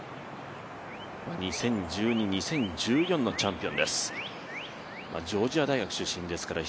２０１２、２０１４のチャンピオンです。